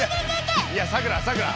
いやさくらさくら。